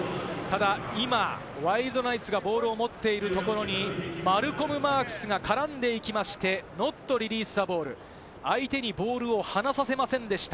今、ワイルドナイツがボールを持っているところにマルコム・マークスが絡んでいきまして、ノットリリースザボール、相手にボールを話させませんでした。